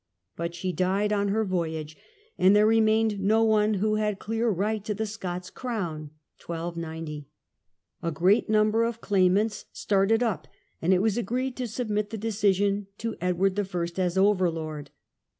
But she died on her voyage, and there remained no one who had clear The Scots right to the Scots crown (1290). A great Succession. number of claimants started up, and it was agreed to submit the decision to Edward I. as overlord.